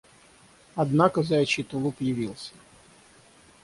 Однако заячий тулуп явился.